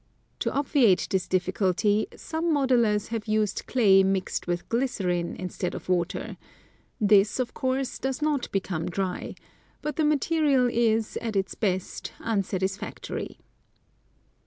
To obviate this difiiculty, some modelers have used clay mixed with glycerine instead of water ; this, of course, does not become dry, but the material is, at its best, unsatisfactory.